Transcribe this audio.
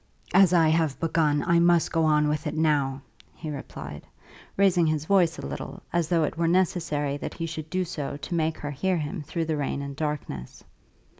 "As I have begun I must go on with it now," he replied, raising his voice a little, as though it were necessary that he should do so to make her hear him through the rain and darkness.